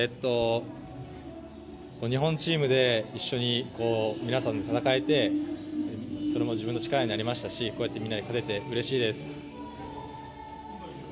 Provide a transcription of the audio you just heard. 日本チームで一緒に皆さんと戦えて、それも自分の力になりましたしみんなで勝てて、うれしいです。